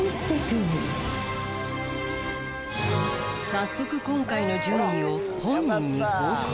早速今回の順位を本人に報告。